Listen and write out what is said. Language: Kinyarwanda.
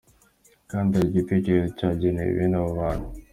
Kandi hari igitekerezo cyagenewe bene abo bantu.